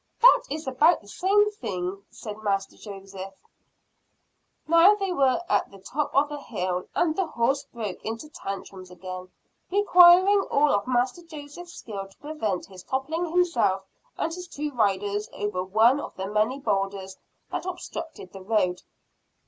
"That is about the same thing," said Master Joseph. Now they were at the top of the hill, and the horse broke into tantrums again; requiring all of Master Joseph's skill to prevent his toppling himself and his two riders over one of the many boulders that obstructed the road.